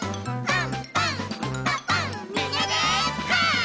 パン！